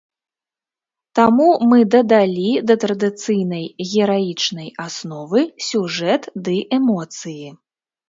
Таму мы дадалі да традыцыйнай гераічнай асновы сюжэт ды эмоцыі.